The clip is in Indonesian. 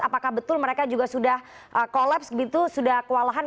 apakah betul mereka juga sudah collapse begitu sudah kewalahan